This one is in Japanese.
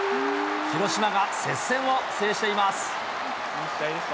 広島が接戦を制しています。